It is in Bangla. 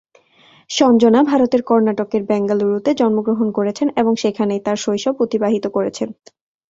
সঞ্জনা ভারতের কর্ণাটকের বেঙ্গালুরুতে জন্মগ্রহণ করেছেন এবং সেখানেই তাঁর শৈশব অতিবাহিত করেছেন।